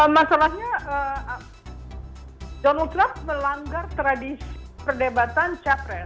masalahnya donald trump melanggar tradisi perdebatan capres